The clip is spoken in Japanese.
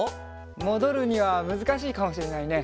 もどるにはむずかしいかもしれないね。